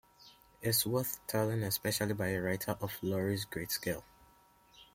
It's well worth telling, especially by a writer of Lowry's great skill.